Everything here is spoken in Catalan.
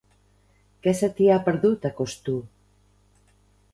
Què se t'hi ha perdut, a Costur?